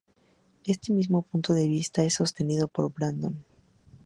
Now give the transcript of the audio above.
Este mismo punto de vista es sostenido por Brandon.